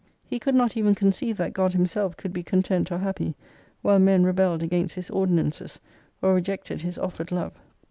He could not even conceive that God Himself could be content or happy while men rebelled against His ordinances, or rejected His offered love.